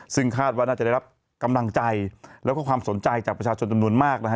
ซึ่งคาดว่าน่าจะได้รับกำลังใจแล้วก็ความสนใจจากประชาชนจำนวนมากนะฮะ